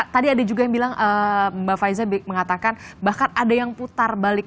tadi ada juga yang bilang mbak faiza mengatakan bahkan ada yang putar balik